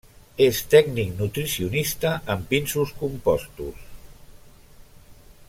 És tècnic nutricionista en pinsos composts.